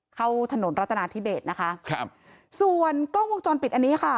เข้าถนนรัฐนาธิเบสนะคะครับส่วนกล้องวงจรปิดอันนี้ค่ะ